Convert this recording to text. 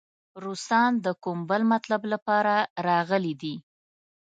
روسان د کوم بل مطلب لپاره راغلي دي.